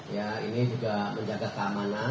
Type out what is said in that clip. ya ini juga menjaga keamanan